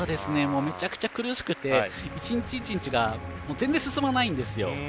めちゃくちゃ苦しくて一日一日が全然、進まないんですよ。